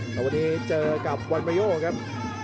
ต่อไปวันนี้เจอกับวัลมายโยครับ